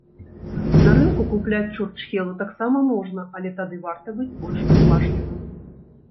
На рынку купляць чурчхелу таксама можна, але тады варта быць больш уважлівым.